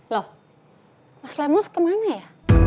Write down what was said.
loh mas lemos kemana ya